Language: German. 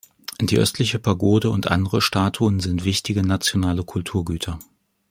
Die östliche Pagode und andere Statuen sind wichtige nationale Kulturgüter.